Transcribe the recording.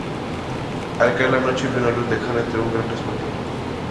Al caer la noche vio una luz lejana entre un gran resplandor.